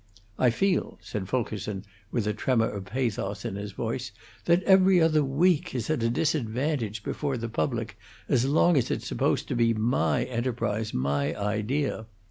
I feel," said Fulkerson, with a tremor of pathos in his voice, "that 'Every Other Week' is at a disadvantage before the public as long as it's supposed to be my enterprise, my idea.